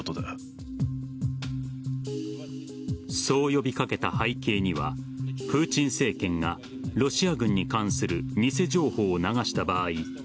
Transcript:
そう呼びかけた背景にはプーチン政権がロシア軍に関する偽情報を流した場合